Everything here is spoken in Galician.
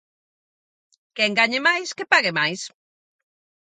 Quen gañe máis, que pague máis.